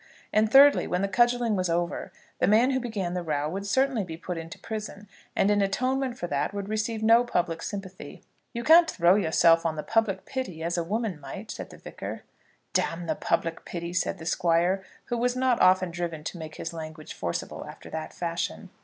And thirdly, when the cudgelling was over, the man who began the row would certainly be put into prison, and in atonement for that would receive no public sympathy. "You can't throw yourself on the public pity as a woman might," said the Vicar. "D the public pity," said the Squire, who was not often driven to make his language forcible after that fashion.